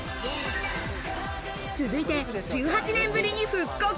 続いて１８年ぶりに復刻！